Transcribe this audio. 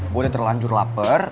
gue udah terlanjur lapar